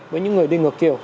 với những người đi ngược chiều